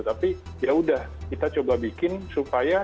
tapi ya udah kita coba bikin supaya